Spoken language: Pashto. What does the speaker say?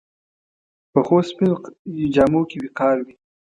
پخو سپینو جامو کې وقار وي